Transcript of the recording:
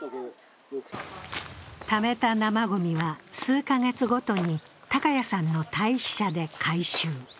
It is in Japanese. ためた生ごみは数か月ごとに高谷さんの堆肥舎で回収。